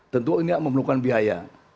tentu ini akan membutuhkan biaya